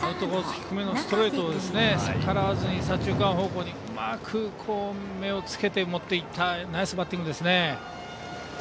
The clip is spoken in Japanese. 低めのストレートを逆らわずに左中間方向にうまく目をつけて持っていったナイスバッティングですね。